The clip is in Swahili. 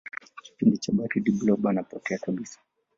kipindi cha baridi blob anapotea kabisa